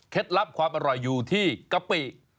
ลับความอร่อยอยู่ที่กะปิ